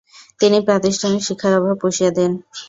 তিনি প্রাতিষ্ঠানিক শিক্ষার অভাব পুষিয়ে দেন।